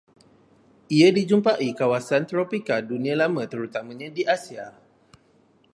Ia dijumpai kawasan tropika Dunia Lama terutamanya di Asia